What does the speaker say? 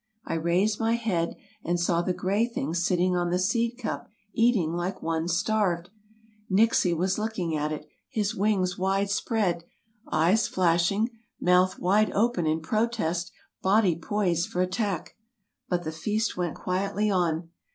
I raised my head and saw the gray thing sitting on the seed cup eating like one starved. Nixie was looking at it, his wings wide spread, eyes flashing, mouth wide open in protest, body poised for attack. But the feast went quietly on.